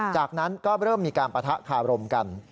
จากนั้นก็เริ่มมีการปะทะคารมกัน